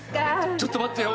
ちょっと待ってよ。